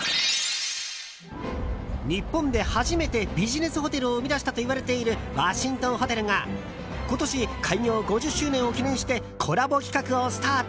日本で初めてビジネスホテルを生み出したといわれているワシントンホテルが今年、開業５０周年を記念してコラボ企画をスタート。